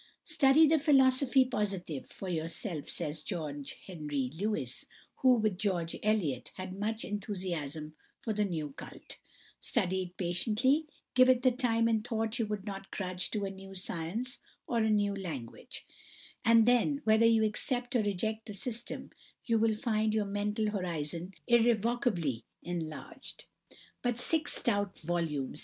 "Study the 'Philosophie Positive' for yourself," says George Henry Lewes, who, with George Eliot, had much enthusiasm for the new cult; "study it patiently, give it the time and thought you would not grudge to a new science or a new language; and then, whether you accept or reject the system, you will find your mental horizon irrevocably enlarged. 'But six stout volumes!'